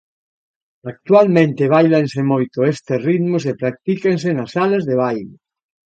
Actualmente báilanse moito estes ritmos e practícanse nas salas de baile.